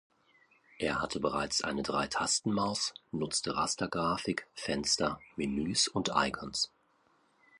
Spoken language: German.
Er hatte bereits eine Drei-Tasten-Maus, nutzte Rastergrafik, Fenster, Menüs und Icons.